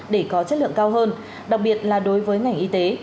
để có chất lượng cao hơn đặc biệt là đối với ngành y tế